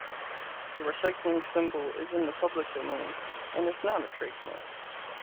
The recycling symbol is in the public domain, and is not a trademark.